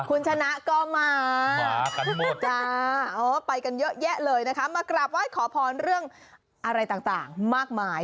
คุณชนะก็มามากันหมดจ้าไปกันเยอะแยะเลยนะคะมากราบไหว้ขอพรเรื่องอะไรต่างมากมาย